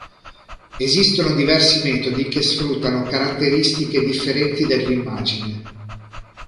Esistono diversi metodi che sfruttano caratteristiche differenti dell'immagine.